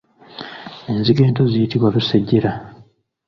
Enzige ento ziyitibwa Lusejjera.